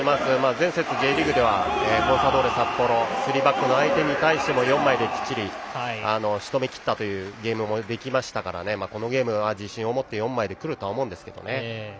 前節、Ｊリーグではコンサドーレ札幌の３バックの相手にも４枚できっちり、しとめきったゲームもできましたからこのゲームは自信を持って４枚でくるとは思うんですけどね。